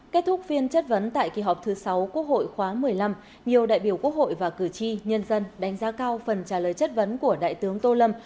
kết thúc phiên chất vấn tại kỳ họp thứ sáu quốc hội khóa một mươi năm nhiều đại biểu quốc hội và cử tri nhân dân đánh giá cao phần trả lời chất vấn của đại tướng tô lâm